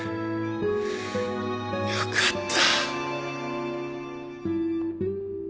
よかった